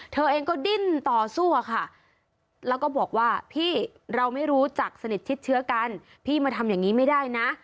เธอเองก็ดิ้นต่อสู้อะค่ะแล้วก็บอกว่าพี่เราไม่รู้จักสนิทชิดเชื้อกันพี่มาทำอย่างนี้ไม่ได้นะ